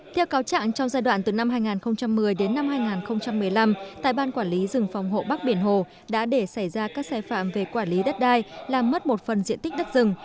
theo cáo trạng trong giai đoạn từ năm hai nghìn một mươi đến năm hai nghìn một mươi năm tại ban quản lý rừng phòng hộ bắc biển hồ đã để xảy ra các sai phạm về quản lý đất đai làm mất một phần diện tích đất rừng